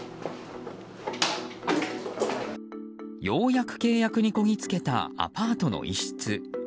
ようやく契約にこぎつけたアパートの一室。